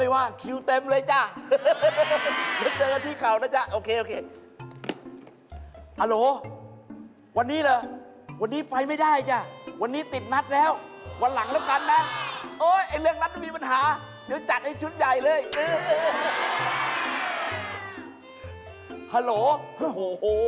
วันหลังละกันนะไอ้เรื่องนั้นไม่มีปัญหาเดี๋ยวจัดไอ้ชุดใหญ่เลยเออ